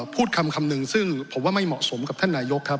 พูดคำหนึ่งซึ่งผมว่าไม่เหมาะสมกับท่านนายกครับ